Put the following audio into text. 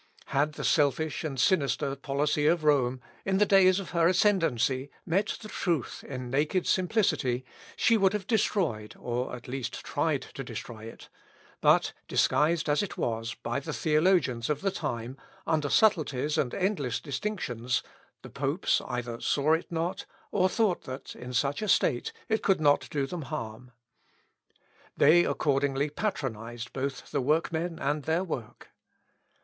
Had the selfish and sinister policy of Rome, in the days of her ascendancy, met the truth in naked simplicity, she would have destroyed, or at least tried to destroy it, but disguised as it was, by the theologians of the time, under subtleties and endless distinctions, the popes either saw it not, or thought that, in such a state, it could not do them harm. They accordingly patronised both the workmen and their work.